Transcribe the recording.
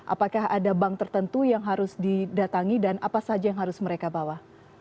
apakah ada bank tertentu yang harus didatangi dan apa saja yang harus mereka bawa